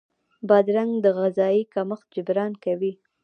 بادرنګ د غذايي کمښت جبران کوي.